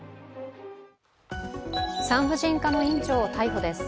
産婦人科の院長を逮捕です。